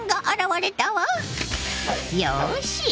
よし。